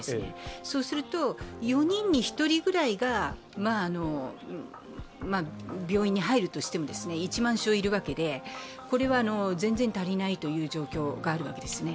そうすると４人に１人ぐらいが病院に入るとしても１万床要るわけで、これは全然足りないという状況があるわけですね。